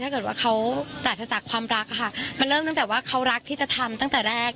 ถ้าเกิดว่าเขาปราศจากความรักค่ะมันเริ่มตั้งแต่ว่าเขารักที่จะทำตั้งแต่แรก